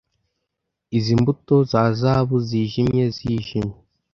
izi mbuto za zahabu zijimye zijimye